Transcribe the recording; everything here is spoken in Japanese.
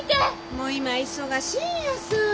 もう今忙しいんやさ。